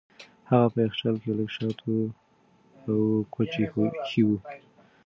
هغه په یخچال کې لږ شات او کوچ ایښي وو.